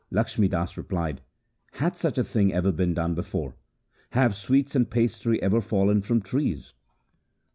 Lakhmi Das replied, ' Hath such a thing ever been done before ? Have sweets and pastry ever fallen from trees